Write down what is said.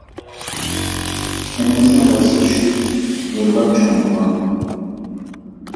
ھەممىمىزنىڭ بالىسى شۇ يىغلاپ چوڭ بولغان.